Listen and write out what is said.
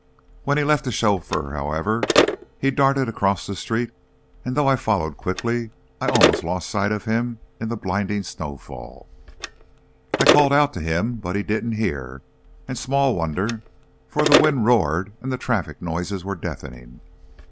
When he left the chauffeur, however, he darted across the street, and though I followed quickly, I almost lost sight of him in the blinding snowfall. I called out to him, but he didn't hear, and small wonder, for the wind roared and the traffic noises were deafening.